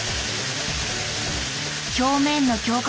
表面の強化